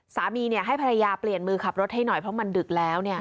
สามีให้ภรรยาเปลี่ยนมือขับรถให้หน่อยเพราะมันดึกแล้ว